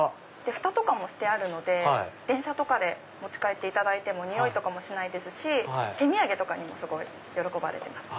ふたとかもしてあるので電車で持ち帰っていただいてもニオイとかもしないですし手土産とかにも喜ばれてます。